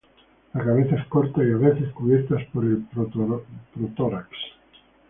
La cabeza es corta y a veces cubierta por el protórax.